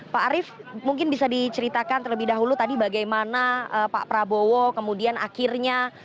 pak arief mungkin bisa diceritakan terlebih dahulu tadi bagaimana pak prabowo kemudian akhirnya